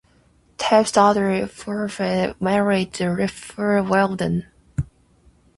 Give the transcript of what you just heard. Tebb's daughter Florence married Raphael Weldon.